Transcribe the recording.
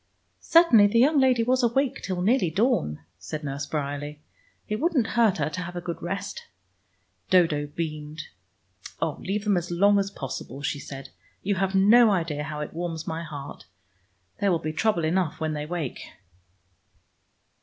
"Certainly the young lady was awake till nearly dawn," said Nurse Bryerley. "It wouldn't hurt her to have a good rest." Dodo beamed. "Oh, leave them as long as possible," she said. "You have no idea how it warms my heart. There will be trouble enough when they awake."